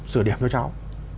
sửa điểm cho cháu